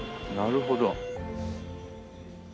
なるほど。